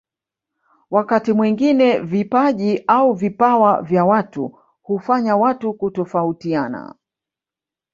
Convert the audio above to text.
Wakati mwingine vipaji au vipawa vya watu hufanya watu kutofautiana